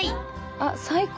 あっ最高。